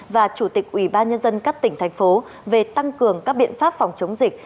và chủ tịch ủy ban nhân dân các tỉnh thành phố về tăng cường các biện pháp phòng chống dịch